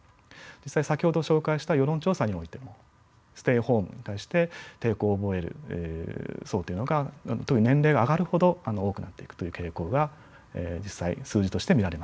実際先ほど紹介した世論調査においてもステイホームに対して抵抗を覚える層というのが年齢が上がるほど多くなっていくという傾向が実際数字として見られました。